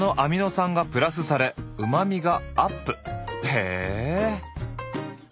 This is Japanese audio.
へえ！